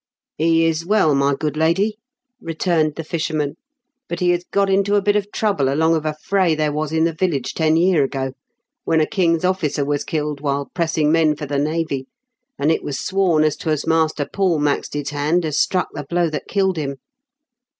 " He is well, my good lady," returned the fisherman ;" but he has got into a bit of trouble along of a fray there was in the village ten year ago, when a King's ofl&cer was killed whUe pressing men for the navy, and it was sworn as 'twas Master Paul Maxted's hand as struck the blow that killed him."